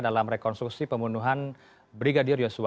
dalam rekonstruksi pembunuhan brigadir yosua